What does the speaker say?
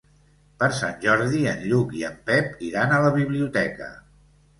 Per Sant Jordi en Lluc i en Pep iran a la biblioteca.